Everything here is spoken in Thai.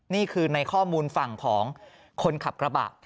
นี่คือในข้อมูลฝั่งของคนขับกระบะ